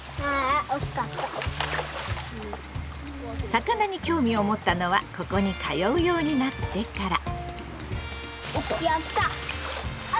魚に興味を持ったのはここに通うようになってから。